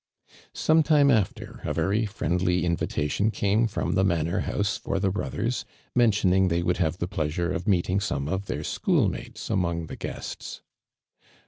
Some time after, a very friendly invitation \ came from the Manor house for the biothers, j mentioning they would have the ))leasure ' of meeting some of their school mates ' among the guests.